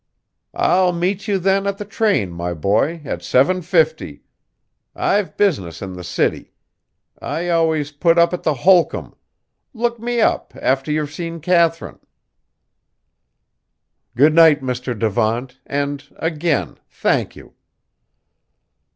"I'll meet you then at the train, my boy, at 7.50. I've business in the city. I always put up at the Holcomb; look me up after you've seen Katharine." "Good night, Mr. Devant, and again thank you!"